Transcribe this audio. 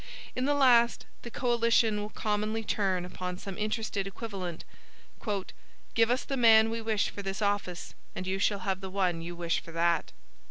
In the last, the coalition will commonly turn upon some interested equivalent: "Give us the man we wish for this office, and you shall have the one you wish for that."